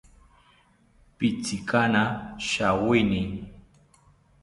Pitzinaka shawini